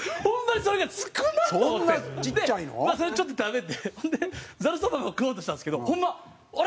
それでちょっと食べてそんでざるそばも食おうとしたんですけどホンマあれ？